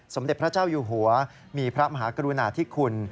สมเด็จพระเจ้าอยู่หัวมีพระมหากรุณาธิคุณ